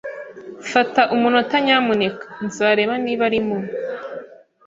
Fata umunota, nyamuneka. Nzareba niba arimo.